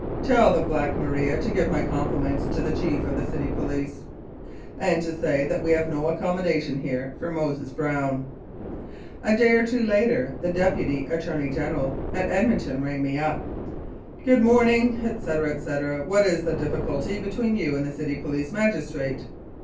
"Tell the Black Maria to give my compliments to the Chief of the City Police, and to say that we have no accommodation here for Moses Brown." A day or two later the Deputy Attorney General at Edmonton rang me up: "Good morning, etc. etc. What is the difficulty between you and the City Police magistrate